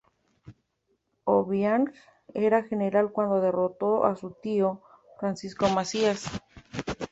Obiang era general cuando derrocó a su tío, Francisco Macías.